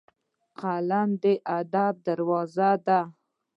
قلم د ادب دروازه ده